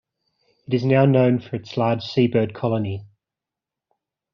It is now known for its large seabird colony.